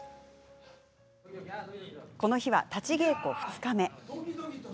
この日は、立ち稽古２日目。